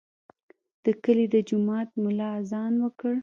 د کلي د جومات ملا اذان وکړ.